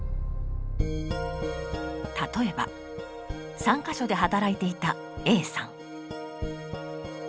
例えば３か所で働いていたＡさん。